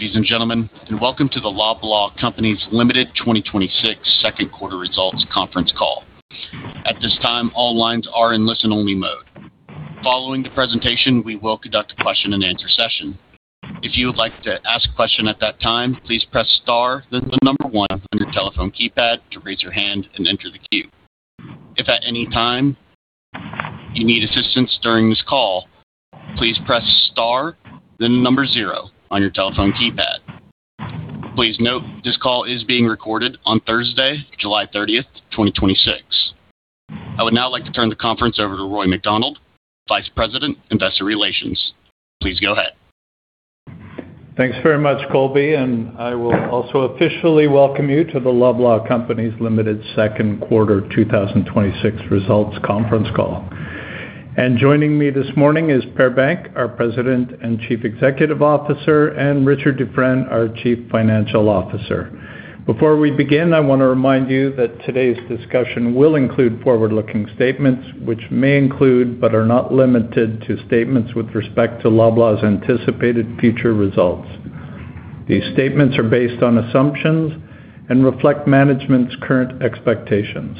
Ladies and gentlemen, welcome to the Loblaw Companies Limited 2026 second quarter results conference call. At this time, all lines are in listen-only mode. Following the presentation, we will conduct a question and answer session. If you would like to ask a question at that time, please press star, then the number one on your telephone keypad to raise your hand and enter the queue. If at any time you need assistance during this call, please press star, then the number zero on your telephone keypad. Please note this call is being recorded on Thursday, July 30th, 2026. I would now like to turn the conference over to Roy MacDonald, Vice President, Investor Relations. Please go ahead. Thanks very much, Colby. I will also officially welcome you to the Loblaw Companies Limited second quarter 2026 results conference call. Joining me this morning is Per Bank, our President and Chief Executive Officer, and Richard Dufresne, our Chief Financial Officer. Before we begin, I want to remind you that today's discussion will include forward-looking statements, which may include, but are not limited to, statements with respect to Loblaw's anticipated future results. These statements are based on assumptions and reflect management's current expectations.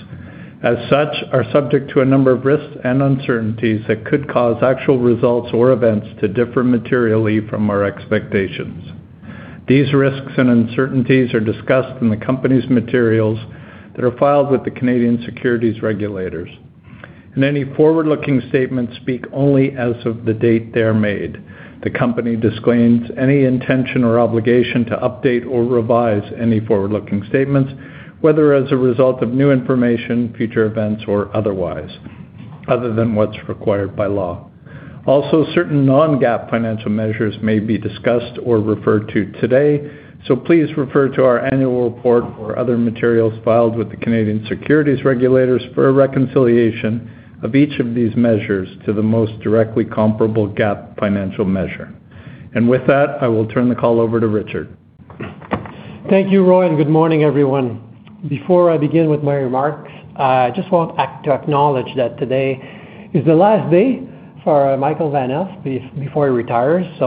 As such, are subject to a number of risks and uncertainties that could cause actual results or events to differ materially from our expectations. These risks and uncertainties are discussed in the company's materials that are filed with the Canadian Securities Administrators, and any forward-looking statements speak only as of the date they're made. The company disclaims any intention or obligation to update or revise any forward-looking statements, whether as a result of new information, future events, or otherwise, other than what's required by law. Also, certain non-GAAP financial measures may be discussed or referred to today. Please refer to our annual report or other materials filed with the Canadian Securities Administrators for a reconciliation of each of these measures to the most directly comparable GAAP financial measure. With that, I will turn the call over to Richard. Thank you, Roy. Good morning, everyone. Before I begin with my remarks, I just want to acknowledge that today is the last day for Michael Van Aelst before he retires. I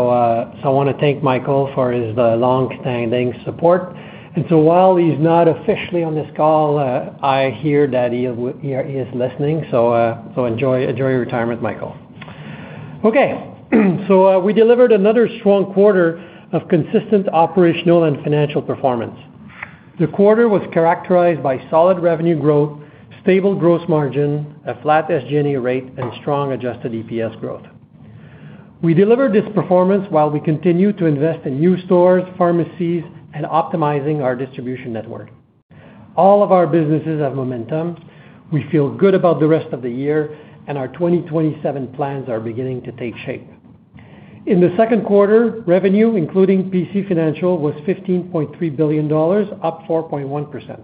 want to thank Michael for his longstanding support. While he's not officially on this call, I hear that he is listening. Enjoy your retirement, Michael. Okay. We delivered another strong quarter of consistent operational and financial performance. The quarter was characterized by solid revenue growth, stable gross margin, a flat SG&A rate, and strong adjusted EPS growth. We delivered this performance while we continue to invest in new stores, pharmacies, and optimizing our distribution network. All of our businesses have momentum. We feel good about the rest of the year, and our 2027 plans are beginning to take shape. In the second quarter, revenue, including PC Financial, was 15.3 billion dollars, up 4.1%.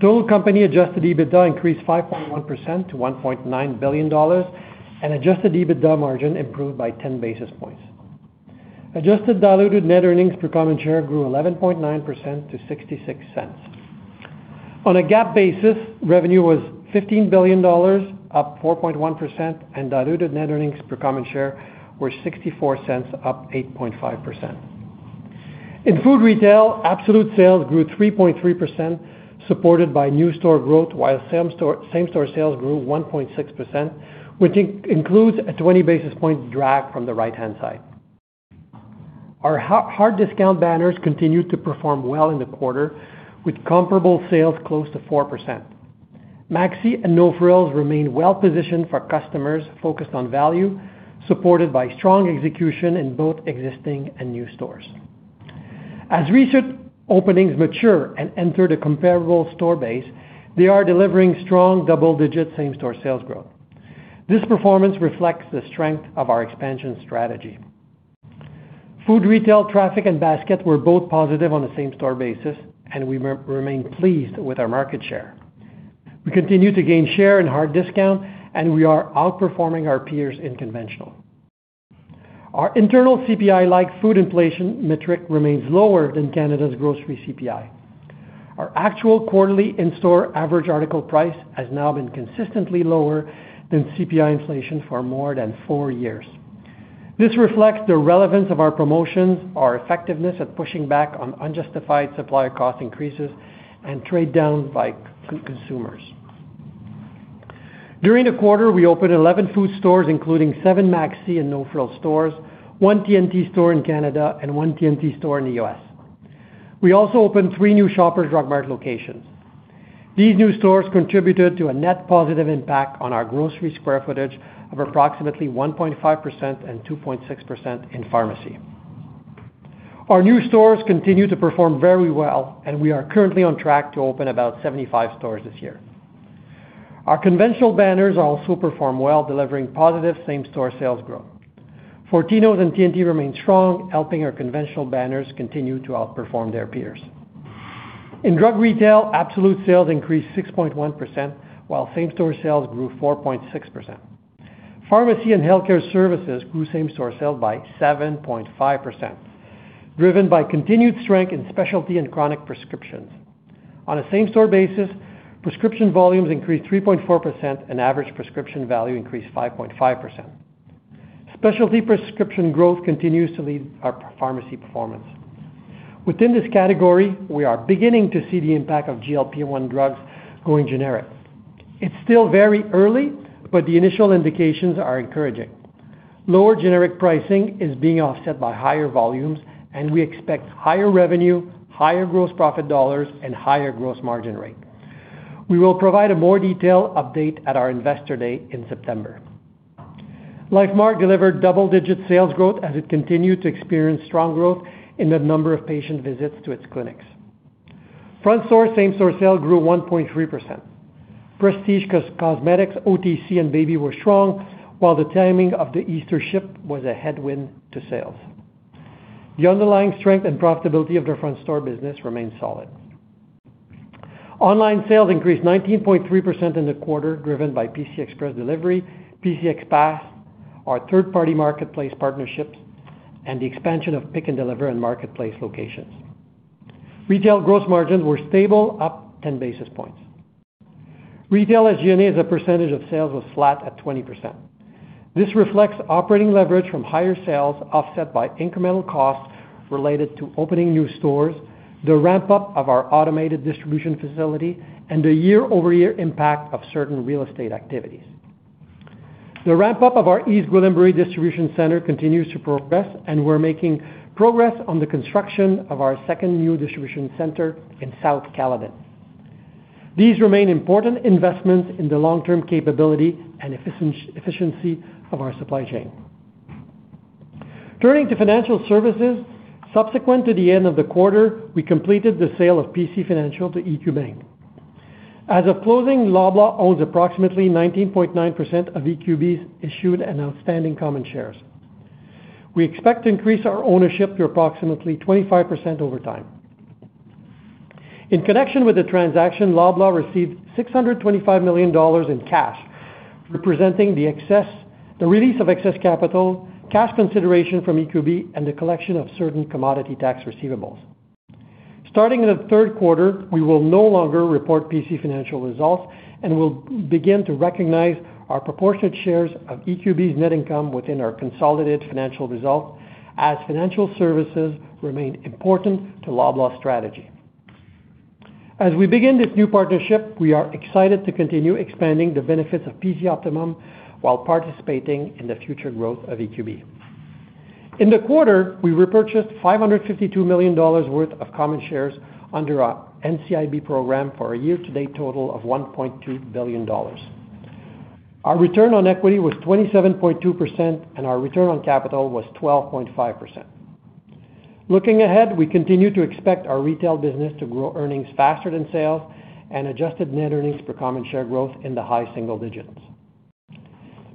Total company adjusted EBITDA increased 5.1% to 1.9 billion dollars, and adjusted EBITDA margin improved by 10 basis points. Adjusted diluted net earnings per common share grew 11.9% to 0.66. On a GAAP basis, revenue was 15 billion dollars, up 4.1%, and diluted net earnings per common share were 0.64, up 8.5%. In food retail, absolute sales grew 3.3%, supported by new store growth, while same-store sales grew 1.6%, which includes a 20 basis point drag from the right-hand side. Our hard discount banners continued to perform well in the quarter, with comparable sales close to 4%. Maxi and No Frills remain well-positioned for customers focused on value, supported by strong execution in both existing and new stores. As recent openings mature and enter the comparable store base, they are delivering strong double-digit same-store sales growth. This performance reflects the strength of our expansion strategy. Food retail, traffic, and basket were both positive on a same-store basis, and we remain pleased with our market share. We continue to gain share in hard discount, and we are outperforming our peers in conventional. Our internal CPI-like food inflation metric remains lower than Canada's grocery CPI. Our actual quarterly in-store average article price has now been consistently lower than CPI inflation for more than four years. This reflects the relevance of our promotions, our effectiveness at pushing back on unjustified supplier cost increases, and trade downs by consumers. During the quarter, we opened 11 food stores, including seven Maxi and No Frills stores, one T&T store in Canada, and one T&T store in the U.S. We also opened three new Shoppers Drug Mart locations. These new stores contributed to a net positive impact on our grocery square footage of approximately 1.5% and 2.6% in pharmacy. Our new stores continue to perform very well, and we are currently on track to open about 75 stores this year. Our conventional banners also perform well, delivering positive same-store sales growth. Fortinos and T&T remain strong, helping our conventional banners continue to outperform their peers. In drug retail, absolute sales increased 6.1%, while same-store sales grew 4.6%. Pharmacy and healthcare services grew same-store sales by 7.5%, driven by continued strength in specialty and chronic prescriptions. On a same-store basis, prescription volumes increased 3.4%, and average prescription value increased 5.5%. Specialty prescription growth continues to lead our pharmacy performance. Within this category, we are beginning to see the impact of GLP-1 drugs going generic. It's still very early, but the initial indications are encouraging. Lower generic pricing is being offset by higher volumes, and we expect higher revenue, higher gross profit dollars, and higher gross margin rate. We will provide a more detailed update at our investor day in September. Lifemark delivered double-digit sales growth as it continued to experience strong growth in the number of patient visits to its clinics. Front store same-store sales grew 1.3%. Prestige Cosmetics, OTC, and Baby were strong, while the timing of the Easter ship was a headwind to sales. The underlying strength and profitability of their front store business remains solid. Online sales increased 19.3% in the quarter, driven by PC Express Delivery, PC Express Pass, our third-party marketplace partnerships, and the expansion of pick and deliver in marketplace locations. Retail gross margins were stable, up 10 basis points. Retail SG&A as a percentage of sales was flat at 20%. This reflects operating leverage from higher sales offset by incremental costs related to opening new stores, the ramp-up of our automated distribution facility, and the year-over-year impact of certain real estate activities. The ramp-up of our East Gwillimbury distribution center continues to progress, and we're making progress on the construction of our second new distribution center in South Caledon. These remain important investments in the long-term capability and efficiency of our supply chain. Turning to financial services, subsequent to the end of the quarter, we completed the sale of PC Financial to EQ Bank. As of closing, Loblaw owns approximately 19.9% of EQB's issued and outstanding common shares. We expect to increase our ownership to approximately 25% over time. In connection with the transaction, Loblaw received 625 million dollars in cash, representing the release of excess capital, cash consideration from EQB, and the collection of certain commodity tax receivables. Starting in the third quarter, we will no longer report PC Financial results and will begin to recognize our proportionate shares of EQB's net income within our consolidated financial results as financial services remain important to Loblaw's strategy. As we begin this new partnership, we are excited to continue expanding the benefits of PC Optimum while participating in the future growth of EQB. In the quarter, we repurchased 552 million dollars worth of common shares under our NCIB program for a year-to-date total of 1.2 billion dollars. Our return on equity was 27.2%, and our return on capital was 12.5%. Looking ahead, we continue to expect our retail business to grow earnings faster than sales and adjusted net earnings per common share growth in the high single digits.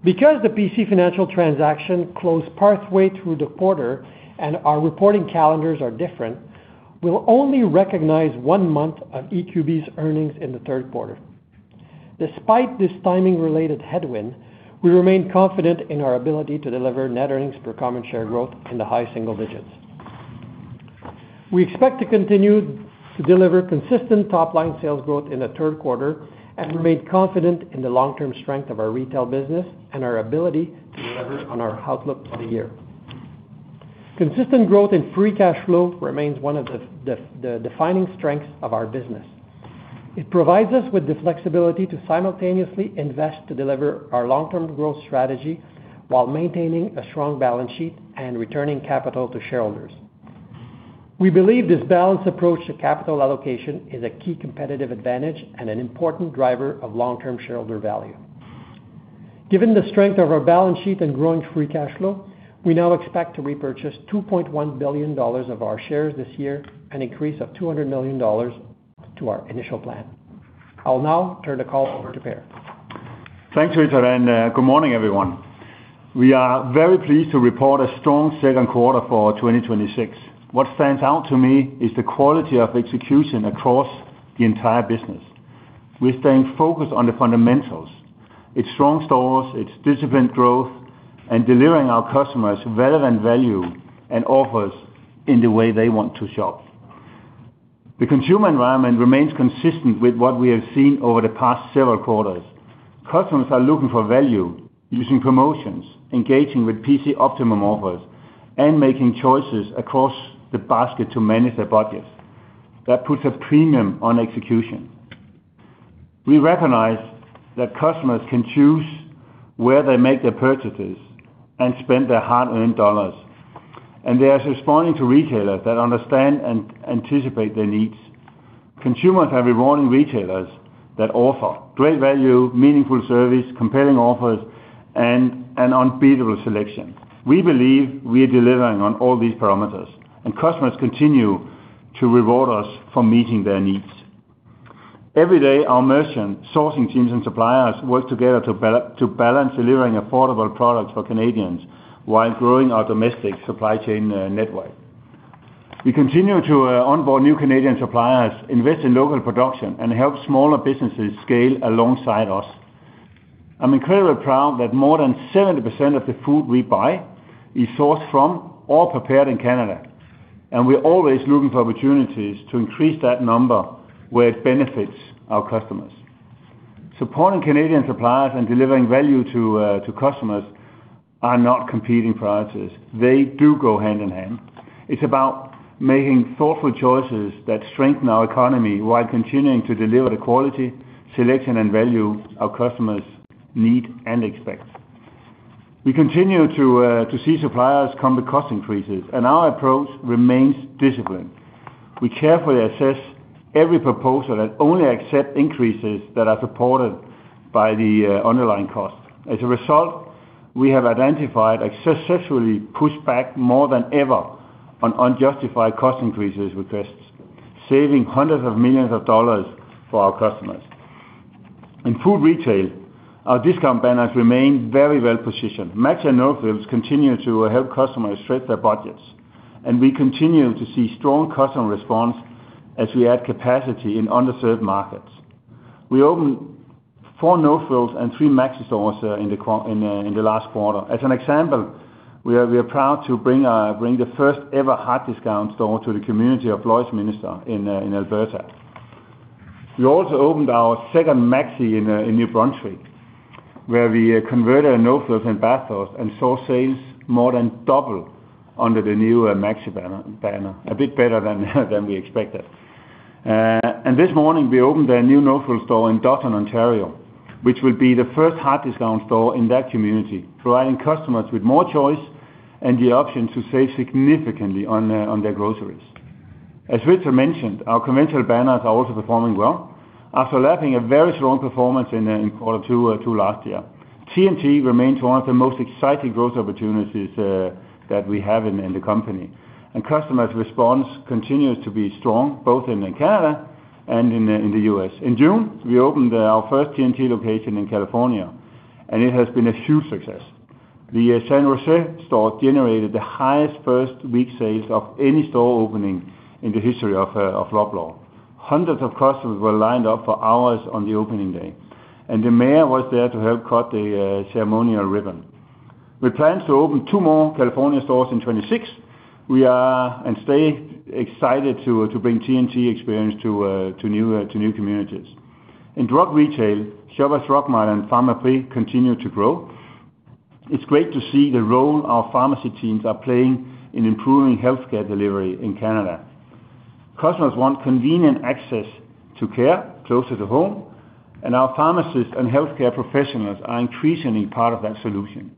Because the PC Financial transaction closed partway through the quarter and our reporting calendars are different, we'll only recognize one month of EQB's earnings in the third quarter. Despite this timing-related headwind, we remain confident in our ability to deliver net earnings per common share growth in the high single digits. We expect to continue to deliver consistent top-line sales growth in the third quarter, and remain confident in the long-term strength of our retail business and our ability to deliver on our outlook for the year. Consistent growth in free cash flow remains one of the defining strengths of our business. It provides us with the flexibility to simultaneously invest to deliver our long-term growth strategy while maintaining a strong balance sheet and returning capital to shareholders. We believe this balanced approach to capital allocation is a key competitive advantage and an important driver of long-term shareholder value. Given the strength of our balance sheet and growing free cash flow, we now expect to repurchase 2.1 billion dollars of our shares this year, an increase of 200 million dollars to our initial plan. I'll now turn the call over to Per. Thanks, Richard, and good morning, everyone. We are very pleased to report a strong second quarter for 2026. What stands out to me is the quality of execution across the entire business. We're staying focused on the fundamentals. It's strong stores, it's disciplined growth, and delivering our customers relevant value and offers in the way they want to shop. The consumer environment remains consistent with what we have seen over the past several quarters. Customers are looking for value, using promotions, engaging with PC Optimum offers, and making choices across the basket to manage their budgets. That puts a premium on execution. We recognize that customers can choose where they make their purchases and spend their hard-earned dollars, and they are responding to retailers that understand and anticipate their needs. Consumers are rewarding retailers that offer great value, meaningful service, compelling offers, and an unbeatable selection. We believe we are delivering on all these parameters, and customers continue to reward us for meeting their needs. Every day, our merchant sourcing teams and suppliers work together to balance delivering affordable products for Canadians while growing our domestic supply chain network. We continue to onboard new Canadian suppliers, invest in local production, and help smaller businesses scale alongside us. I'm incredibly proud that more than 70% of the food we buy is sourced from or prepared in Canada. We are always looking for opportunities to increase that number where it benefits our customers. Supporting Canadian suppliers and delivering value to customers are not competing priorities. They do go hand in hand. It's about making thoughtful choices that strengthen our economy while continuing to deliver the quality, selection, and value our customers need and expect. We continue to see suppliers come with cost increases, and our approach remains disciplined. We carefully assess every proposal and only accept increases that are supported by the underlying cost. As a result, we have identified and successfully pushed back more than ever on unjustified cost increases requests, saving hundreds of millions of CAD for our customers. In food retail, our discount banners remain very well-positioned. Maxi and No Frills continue to help customers stretch their budgets, and we continue to see strong customer response as we add capacity in underserved markets. We opened four No Frills and three Maxi stores in the last quarter. As an example, we are proud to bring the first ever hard discount store to the community of Lloydminster in Alberta. We also opened our second Maxi in New Brunswick, where we converted a No Frills and Bathurst and saw sales more than double under the new Maxi banner. A bit better than we expected. This morning, we opened a new No Frills store in Dawson, Ontario, which will be the first hard discount store in that community, providing customers with more choice and the option to save significantly on their groceries. As Richard mentioned, our conventional banners are also performing well. After lapping a very strong performance in quarter two last year, T&T remains one of the most exciting growth opportunities that we have in the company. Customers' response continues to be strong both in Canada and in the U.S. In June, we opened our first T&T location in California, and it has been a huge success. The San Jose store generated the highest first-week sales of any store opening in the history of Loblaw. Hundreds of customers were lined up for hours on the opening day, and the mayor was there to help cut the ceremonial ribbon. We plan to open two more California stores in 2026. We are and stay excited to bring T&T experience to new communities. In drug retail, Shoppers Drug Mart and Pharmaprix continue to grow. It's great to see the role our pharmacy teams are playing in improving healthcare delivery in Canada. Customers want convenient access to care closer to home, and our pharmacists and healthcare professionals are increasingly part of that solution.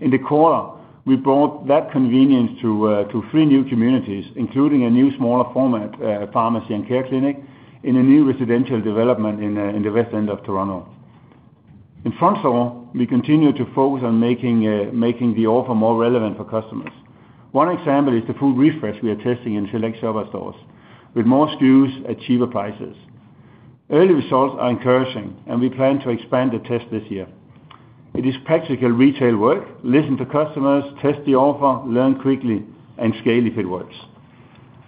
In the quarter, we brought that convenience to three new communities, including a new smaller format pharmacy and care clinic in a new residential development in the west end of Toronto. In Front Store, we continue to focus on making the offer more relevant for customers. One example is the food refresh we are testing in select Shoppers stores with more SKUs at cheaper prices. Early results are encouraging, and we plan to expand the test this year. It is practical retail work, listen to customers, test the offer, learn quickly, and scale if it works.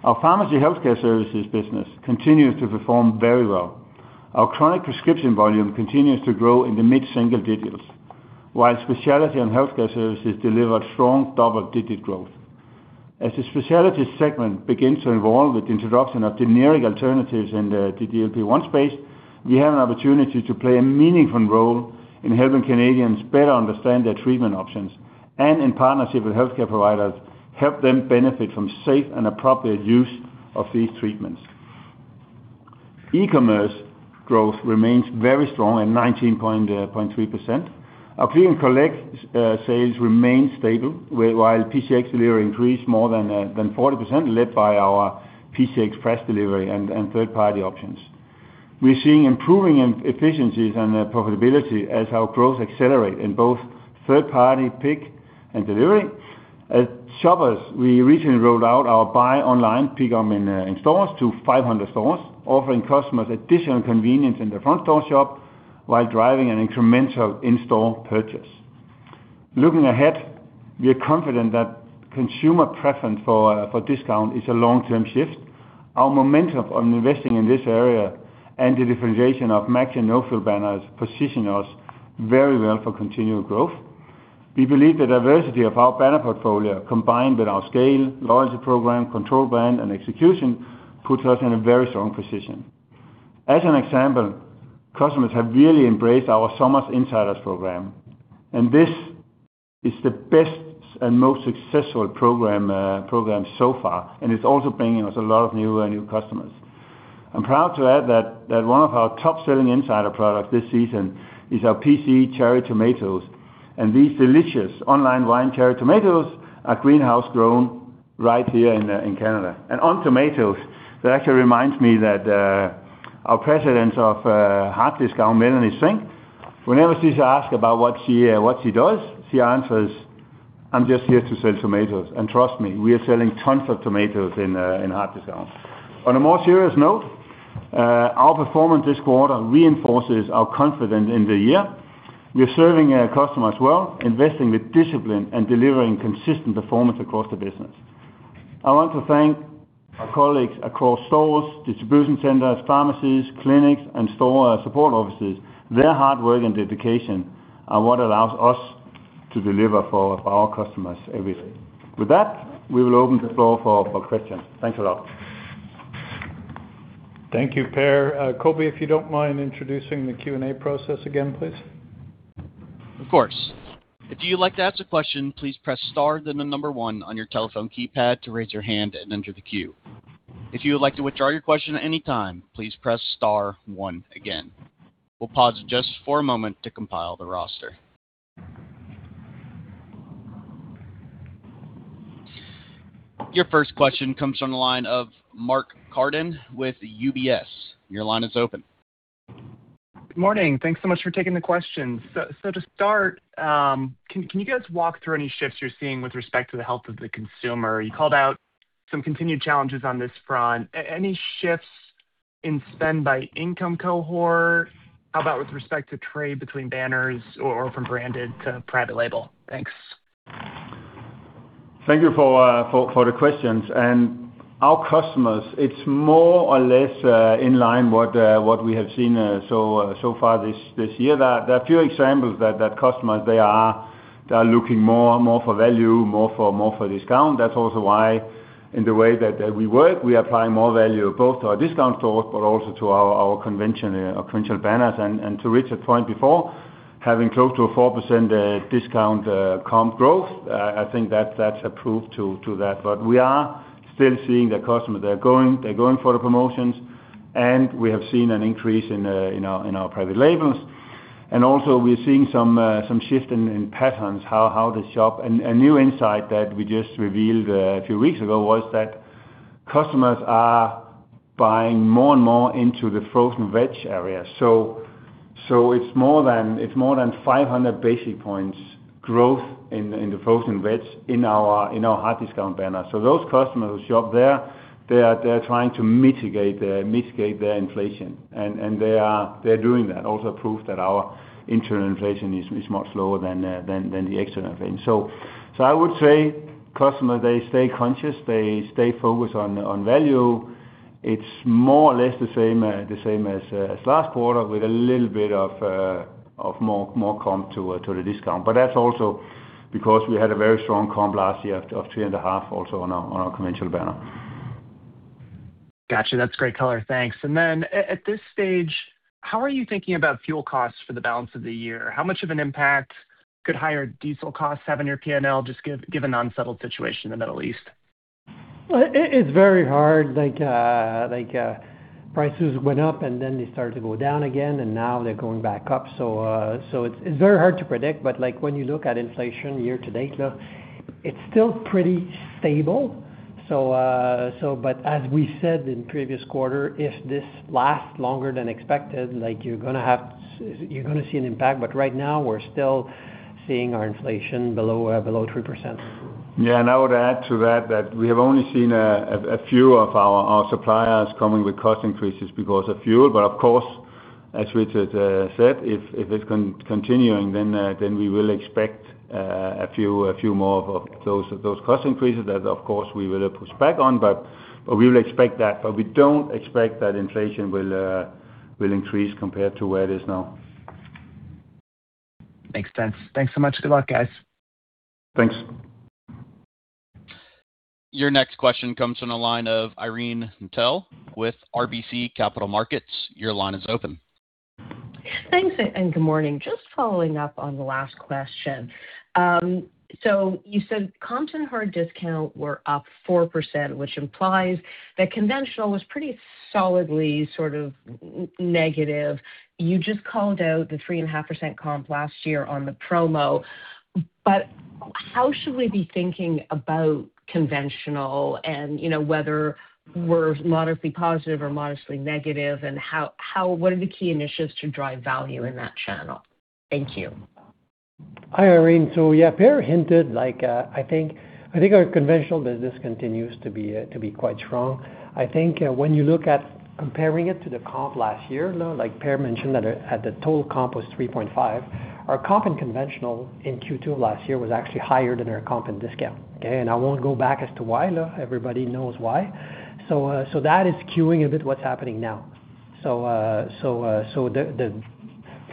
Our pharmacy healthcare services business continues to perform very well. Our chronic prescription volume continues to grow in the mid-single digits, while specialty and healthcare services delivered strong double-digit growth. As the specialty segment begins to evolve with the introduction of generic alternatives in the GLP-1 space, we have an opportunity to play a meaningful role in helping Canadians better understand their treatment options, and in partnership with healthcare providers, help them benefit from safe and appropriate use of these treatments. E-commerce growth remains very strong at 19.3%. Our click and collect sales remain stable, while PC Express delivery increased more than 40%, led by our PC Express delivery and third-party options. We're seeing improving efficiencies and profitability as our growth accelerate in both third-party pick and delivery. At Shoppers, we recently rolled out our buy online, pick up in stores to 500 stores, offering customers additional convenience in the front store shop while driving an incremental in-store purchase. Looking ahead, we are confident that consumer preference for discount is a long-term shift. Our momentum on investing in this area and the differentiation of Maxi and No Frills banners position us very well for continued growth. We believe the diversity of our banner portfolio, combined with our scale, loyalty program, control brand, and execution, puts us in a very strong position. As an example, customers have really embraced our Summer Insiders program. This is the best and most successful program so far, and it's also bringing us a lot of new customers. I'm proud to add that one of our top-selling Insider products this season is our PC cherry tomatoes, and these delicious online vine cherry tomatoes are greenhouse-grown right here in Canada. On tomatoes, that actually reminds me that our President of Hard Discount, Melanie Singh, whenever she's asked about what she does, she answers, "I'm just here to sell tomatoes." Trust me, we are selling tons of tomatoes in Hard Discount. On a more serious note, our performance this quarter reinforces our confidence in the year. We're serving our customers well, investing with discipline, and delivering consistent performance across the business. I want to thank our colleagues across stores, distribution centers, pharmacies, clinics, and store support offices. Their hard work and dedication are what allows us to deliver for our customers every day. With that, we will open the floor for questions. Thanks a lot. Thank you, Per. Colby, if you don't mind introducing the Q&A process again, please. Of course. If you'd like to ask a question, please press star then one on your telephone keypad to raise your hand and enter the queue. If you would like to withdraw your question at any time, please press star one again. We'll pause just for a moment to compile the roster. Your first question comes from the line of Mark Carden with UBS. Your line is open. Good morning. Thanks so much for taking the questions. To start, can you guys walk through any shifts you're seeing with respect to the health of the consumer? You called out some continued challenges on this front. Any shifts in spend by income cohort? How about with respect to trade between banners or from branded to private label? Thanks. Thank you for the questions. Our customers, it's more or less in line what we have seen so far this year. There are a few examples that customers, they are looking more for value, more for discount. That's also why in the way that we work, we apply more value both to our discount stores, but also to our conventional banners. To reach a point before having close to a 4% discount comp growth, I think that's a proof to that. We are still seeing the customer. They're going for the promotions, and we have seen an increase in our private labels. Also we're seeing some shift in patterns, how they shop. A new insight that we just revealed a few weeks ago was that customers are buying more and more into the frozen veg area. It's more than 500 basic points growth in the frozen veg in our hard discount banner. Those customers who shop there, they're trying to mitigate their inflation, and they're doing that. Also prove that our internal inflation is much lower than the external inflation. I would say customers, they stay conscious. They stay focused on value. It's more or less the same as last quarter with a little bit of more comp to the discount. That's also because we had a very strong comp last year of three and a half, also on our conventional banner. Got you. That's great color. Thanks. At this stage, how are you thinking about fuel costs for the balance of the year? How much of an impact could higher diesel costs have in your P&L, just given unsettled situation in the Middle East? Well, it's very hard. Prices went up, they started to go down again, now they're going back up. It's very hard to predict, but when you look at inflation year to date, it's still pretty stable. As we said in previous quarter, if this lasts longer than expected, you're going to see an impact. Right now we're still seeing our inflation below 3%. Yeah, I would add to that we have only seen a few of our suppliers coming with cost increases because of fuel. Of course, as Richard said, if it's continuing, we will expect a few more of those cost increases that of course we will push back on. We will expect that. We don't expect that inflation will increase compared to where it is now. Makes sense. Thanks so much. Good luck, guys. Thanks. Your next question comes from the line of Irene Nattel with RBC Capital Markets. Your line is open. Thanks, and good morning. Just following up on the last question. You said comp and hard discount were up 4%, which implies that conventional was pretty solidly sort of negative. You just called out the 3.5% comp last year on the promo. How should we be thinking about conventional and whether we're modestly positive or modestly negative, and what are the key initiatives to drive value in that channel? Thank you. Hi, Irene. Yeah, Per hinted, I think our conventional business continues to be quite strong. I think when you look at comparing it to the comp last year, like Per mentioned, that at the total comp was 3.5%. Our comp in conventional in Q2 of last year was actually higher than our comp in discount. Okay? I won't go back as to why. Everybody knows why. That is skewing a bit what's happening now. From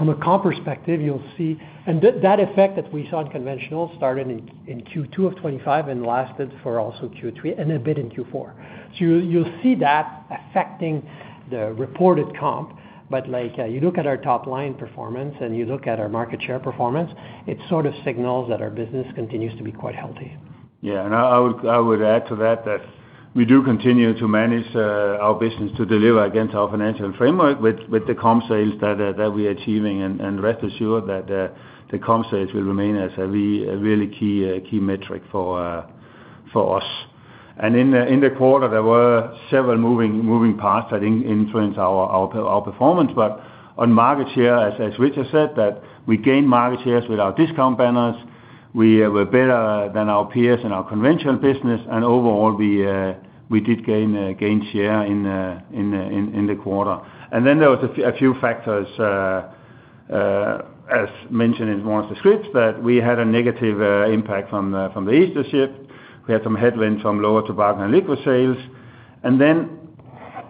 a comp perspective, you'll see that effect that we saw in conventional started in Q2 of 2025 and lasted for also Q3 and a bit in Q4. You'll see that affecting the reported comp. You look at our top line performance and you look at our market share performance, it sort of signals that our business continues to be quite healthy. I would add to that we do continue to manage our business to deliver against our financial framework with the comp sales that we're achieving. Rest assured that the comp sales will remain as a really key metric for us. In the quarter, there were several moving parts that influenced our performance. On market share, as Richard said, that we gained market shares with our discount banners. We were better than our peers in our conventional business. Overall, we did gain share in the quarter. There was a few factors, as mentioned in one of the scripts, that we had a negative impact from the Easter shift. We had some headwinds from lower tobacco and liquor sales.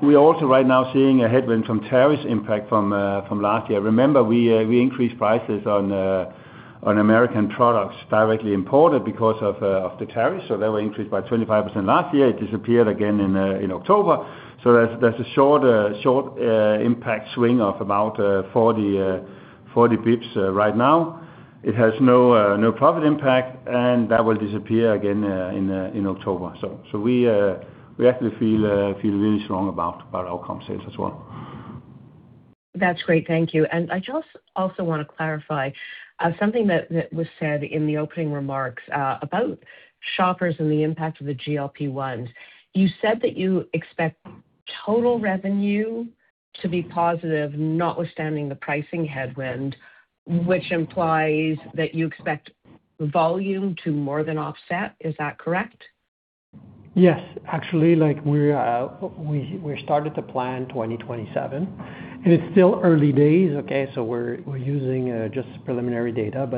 We're also right now seeing a headwind from tariffs impact from last year. Remember, we increased prices on American products directly imported because of the tariffs, that were increased by 25% last year. It disappeared again in October. That's a short impact swing of about 40 basis points right now. It has no profit impact, and that will disappear again in October. We actually feel really strong about our comp sales as well. That's great. Thank you. I just also want to clarify something that was said in the opening remarks about Shoppers and the impact of the GLP-1s. You said that you expect total revenue to be positive, notwithstanding the pricing headwind, which implies that you expect volume to more than offset. Is that correct? Yes. We started to plan 2027, it's still early days, so we're using just preliminary data.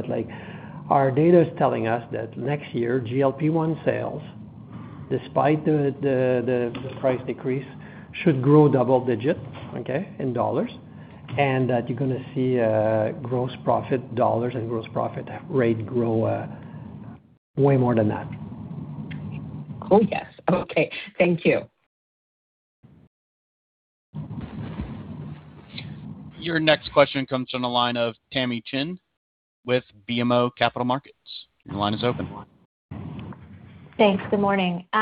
Our data is telling us that next year, GLP-1 sales, despite the price decrease, should grow double digit, in dollars, that you're going to see gross profit dollars and gross profit rate grow way more than that. Oh, yes. Okay. Thank you. Your next question comes from the line of Tamy Chen with BMO Capital Markets. Your line is open. Thanks. Good morning. Per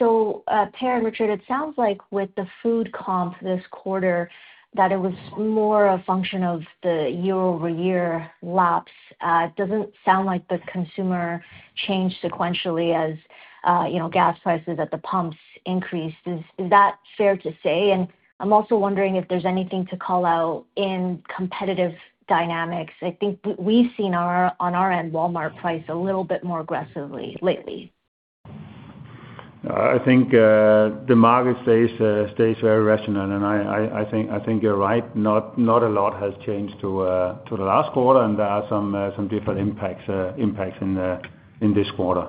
and Richard, it sounds like with the food comp this quarter that it was more a function of the year-over-year lapse. It doesn't sound like the consumer changed sequentially as gas prices at the pumps increased. Is that fair to say? I'm also wondering if there's anything to call out in competitive dynamics. I think we've seen on our end, Walmart price a little bit more aggressively lately. I think the market stays very rational. I think you're right. Not a lot has changed to the last quarter. There are some different impacts in this quarter.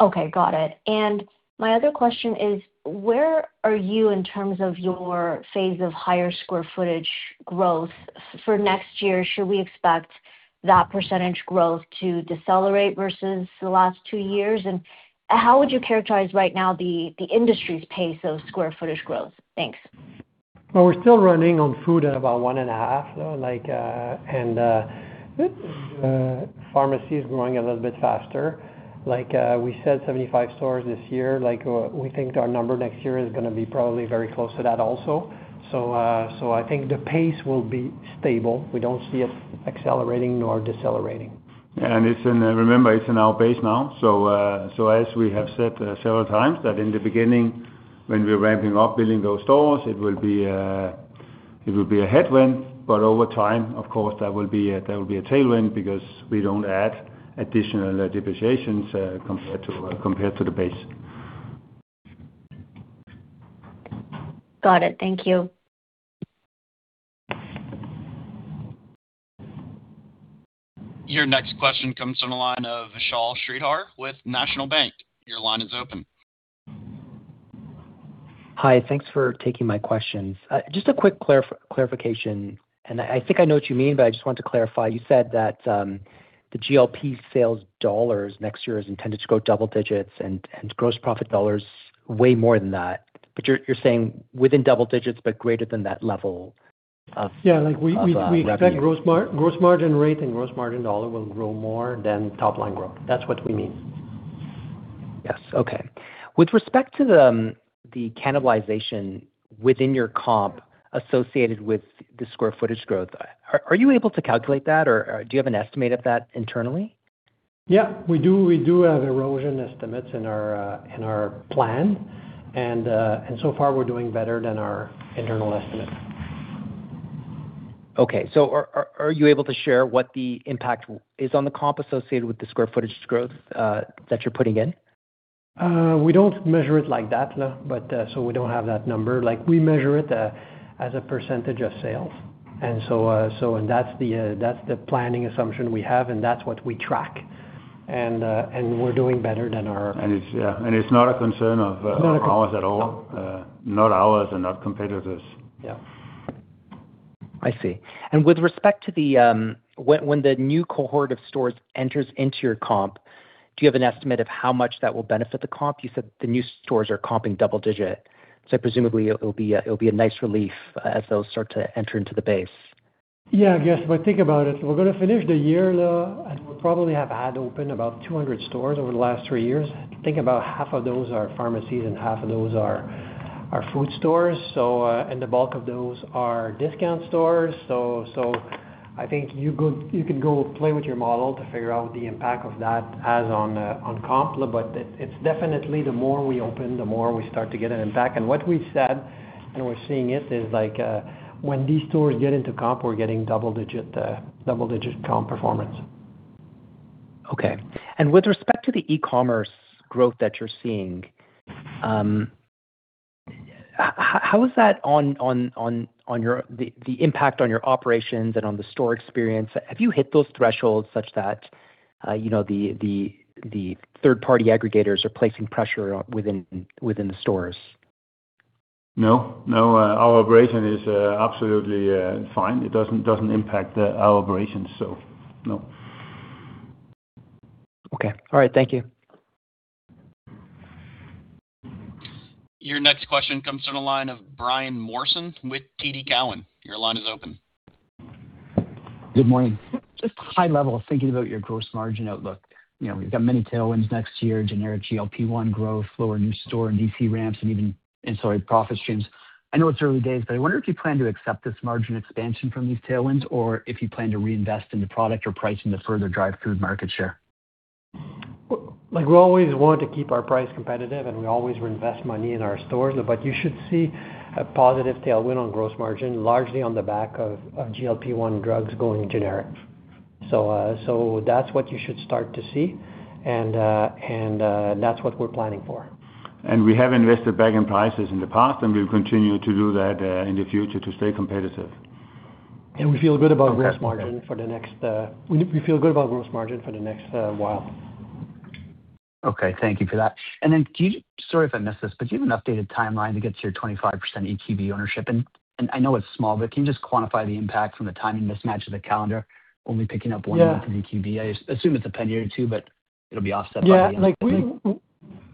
Okay, got it. My other question is, where are you in terms of your phase of higher square footage growth for next year? Should we expect that percentage growth to decelerate versus the last two years? How would you characterize right now the industry's pace of square footage growth? Thanks. Well, we're still running on food at about one and a half. Pharmacy is growing a little bit faster. We said 75 stores this year. We think our number next year is going to be probably very close to that also. I think the pace will be stable. We don't see it accelerating nor decelerating. Remember, it's in our base now. As we have said several times that in the beginning, when we're ramping up building those stores, it will be a headwind, over time, of course, that will be a tailwind because we don't add additional depreciations compared to the base. Got it. Thank you. Your next question comes from the line of Vishal Shreedhar with National Bank. Your line is open. Hi. Thanks for taking my questions. Just a quick clarification, I think I know what you mean, I just want to clarify. You said that the GLP CAD sales dollars next year is intended to grow double digits and gross profit CAD dollars way more than that. You're saying within double digits, but greater than that level of revenue? Yeah, we expect gross margin rate and gross margin CAD dollar will grow more than top line growth. That's what we mean. Yes. Okay. With respect to the cannibalization within your comp associated with the square footage growth, are you able to calculate that, or do you have an estimate of that internally? Yeah. We do have erosion estimates in our plan, and so far we're doing better than our internal estimate. Okay. Are you able to share what the impact is on the comp associated with the square footage growth that you're putting in? We don't measure it like that. We don't have that number. We measure it as a percentage of sales. That's the planning assumption we have, and that's what we track. It's not a concern of ours at all. It's not a concern. Not ours and not competitors. Yeah. I see. With respect to when the new cohort of stores enters into your comp, do you have an estimate of how much that will benefit the comp? You said the new stores are comping double digit, so presumably it'll be a nice relief as those start to enter into the base. Yeah, I guess. Think about it. We're going to finish the year, and we'll probably have had open about 200 stores over the last three years. I think about half of those are pharmacies and half of those are our food stores. The bulk of those are discount stores. I think you could go play with your model to figure out the impact of that as on comp, but it's definitely the more we open, the more we start to get an impact. What we've said, and we're seeing it, is when these stores get into comp, we're getting double-digit comp performance. Okay. With respect to the e-commerce growth that you're seeing. How is the impact on your operations and on the store experience? Have you hit those thresholds such that the third-party aggregators are placing pressure within the stores? No. Our operation is absolutely fine. It doesn't impact our operations, so no. Okay. All right. Thank you. Your next question comes from the line of Brian Morrison with TD Cowen. Your line is open. Good morning. Just high level, thinking about your gross margin outlook. We've got many tailwinds next year, generic GLP-1 growth, lower new store and DC ramps, sorry, profit streams. I know it's early days, I wonder if you plan to accept this margin expansion from these tailwinds, or if you plan to reinvest in the product or pricing to further drive food market share. We always want to keep our price competitive, and we always reinvest money in our stores. You should see a positive tailwind on gross margin, largely on the back of GLP-1 drugs going generic. That's what you should start to see, and that's what we're planning for. We have invested back in prices in the past, and we'll continue to do that, in the future to stay competitive. We feel good about gross margin for the next while. Okay, thank you for that. Sorry if I missed this, but do you have an updated timeline to get to your 25% EQB ownership? I know it's small, but can you just quantify the impact from the timing mismatch of the calendar only picking up one with an EQB? I assume it's a penny or two, but it'll be offset by the end of the year. Yeah.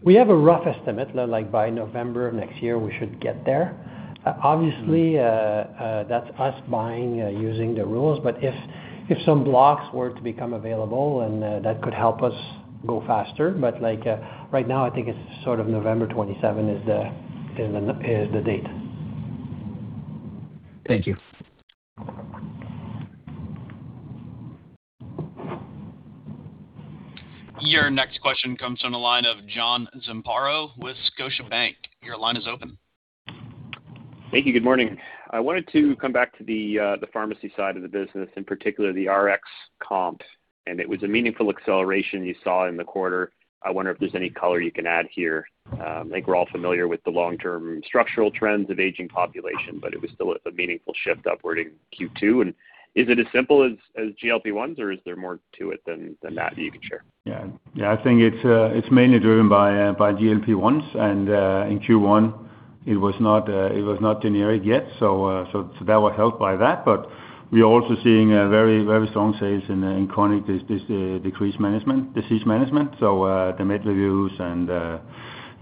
We have a rough estimate, like by November of next year, we should get there. Obviously, that's us buying using the rules, if some blocks were to become available and that could help us go faster. Right now, I think it's sort of November 27 is the date. Thank you. Your next question comes from the line of John Zamparo with Scotiabank. Your line is open. Thank you. Good morning. I wanted to come back to the pharmacy side of the business and particularly the RX comps. It was a meaningful acceleration you saw in the quarter. I wonder if there's any color you can add here. I think we're all familiar with the long-term structural trends of aging population, but it was still a meaningful shift upward in Q2. Is it as simple as GLP-1s or is there more to it than that you can share? Yeah. I think it's mainly driven by GLP-1s, and in Q1 it was not generic yet, so that was helped by that. We are also seeing very strong sales in chronic disease management. The med reviews and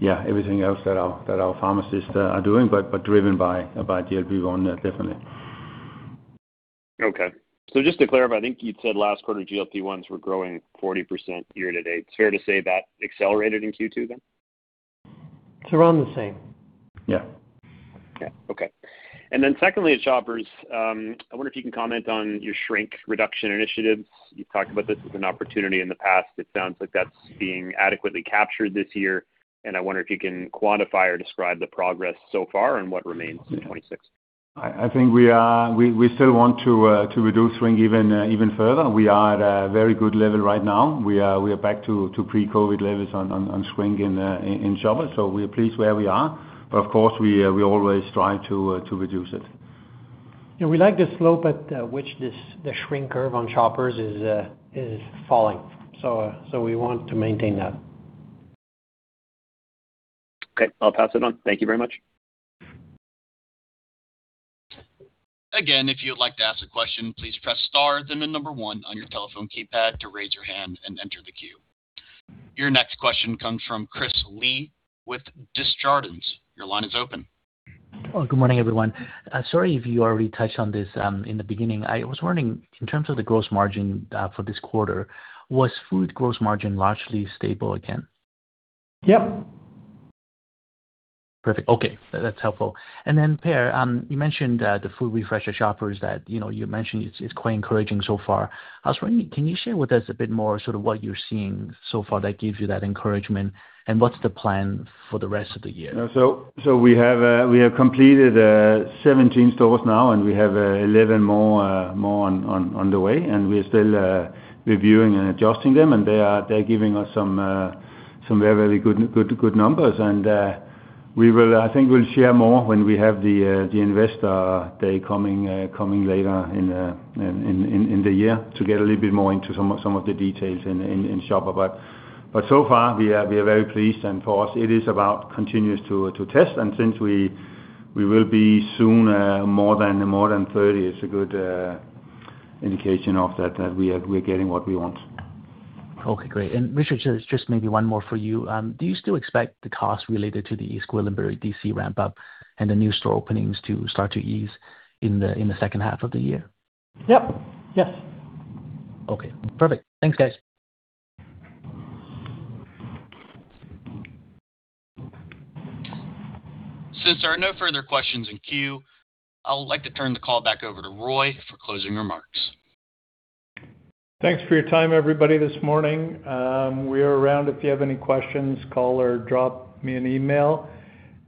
everything else that our pharmacists are doing, but driven by GLP-1, definitely. Okay. Just to clarify, I think you'd said last quarter GLP-1s were growing 40% year to date. It's fair to say that accelerated in Q2, then? It's around the same. Yeah. Okay. Secondly, at Shoppers, I wonder if you can comment on your shrink reduction initiatives. You've talked about this as an opportunity in the past. It sounds like that's being adequately captured this year, I wonder if you can quantify or describe the progress so far and what remains in 2026. I think we still want to reduce shrink even further. We are at a very good level right now. We are back to pre-COVID levels on shrink in Shoppers, so we are pleased where we are. Of course, we always try to reduce it. Yeah, we like the slope at which the shrink curve on Shoppers is falling. We want to maintain that. Okay. I'll pass it on. Thank you very much. If you would like to ask a question, please press star, then the number one on your telephone keypad to raise your hand and enter the queue. Your next question comes from Chris Li with Desjardins. Your line is open. Good morning, everyone. Sorry if you already touched on this in the beginning. I was wondering, in terms of the gross margin for this quarter, was food gross margin largely stable again? Yep. Perfect. Okay, that's helpful. Per, you mentioned the food refresher Shoppers that you mentioned it's quite encouraging so far. I was wondering, can you share with us a bit more sort of what you're seeing so far that gives you that encouragement, and what's the plan for the rest of the year? We have completed 17 stores now, and we have 11 more on the way, and we are still reviewing and adjusting them, and they're giving us some very good numbers. I think we'll share more when we have the Investor Day coming later in the year to get a little bit more into some of the details in Shopper. So far, we are very pleased, and for us it is about continuous to test and since we will be soon more than 30, it's a good indication of that we're getting what we want. Okay, great. Richard, just maybe one more for you. Do you still expect the cost related to the East Gwillimbury DC ramp-up and the new store openings to start to ease in the second half of the year? Yep. Yes. Okay, perfect. Thanks, guys. Since there are no further questions in queue, I would like to turn the call back over to Roy for closing remarks. Thanks for your time, everybody, this morning. We are around if you have any questions, call or drop me an email.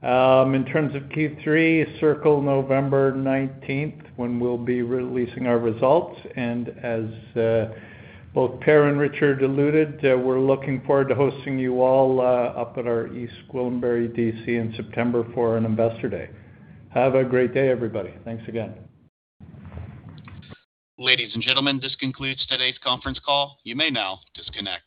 In terms of Q3, circle November 19th when we'll be releasing our results, and as both Per and Richard alluded, we're looking forward to hosting you all up at our East Gwillimbury DC in September for an Investor Day. Have a great day, everybody. Thanks again. Ladies and gentlemen, this concludes today's conference call. You may now disconnect.